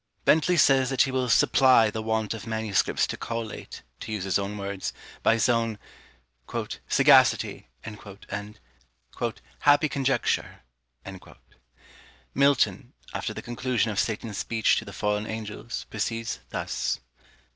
Bentley says that he will supply the want of manuscripts to collate (to use his own words) by his own "SAGACITY," and "HAPPY CONJECTURE." Milton, after the conclusion of Satan's speech to the fallen angels, proceeds thus: 1.